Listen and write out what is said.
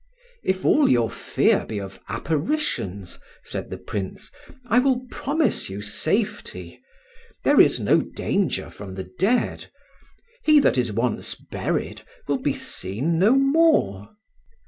"If all your fear be of apparitions," said the Prince, "I will promise you safety. There is no danger from the dead: he that is once buried will be seen no more."